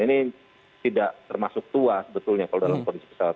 ini tidak termasuk tua sebetulnya kalau dalam kondisi pesawat